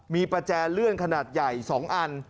มีประแจเลื่อนขนาดใหญ่๒อัน